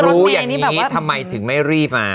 รู้แบบนี้ทำไมถึงไม่รีบ